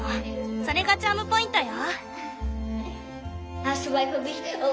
それがチャームポイントよ。